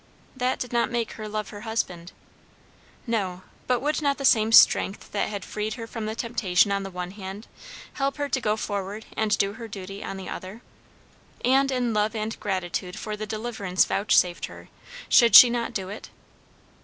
That did not make her love her husband. No; but would not the same strength that had freed her from temptation on the one hand, help her to go forward and do her duty on the other? And in love and gratitude for the deliverance vouchsafed her, should she not do it?